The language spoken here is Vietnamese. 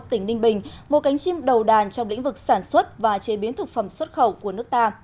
tỉnh ninh bình một cánh chim đầu đàn trong lĩnh vực sản xuất và chế biến thực phẩm xuất khẩu của nước ta